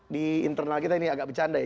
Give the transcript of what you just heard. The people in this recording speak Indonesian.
di internal kita ini agak bercanda ya